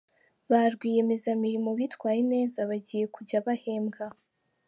Ba Rwiyemezamirimo bitwaye neza bagiye kujya bahembwa